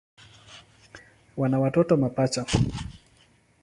Wana watoto mapacha.